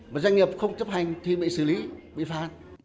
mà doanh nghiệp không chấp hành thì mới xử lý bị phá